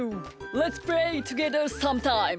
レッツプレートゥゲザーサムタイム！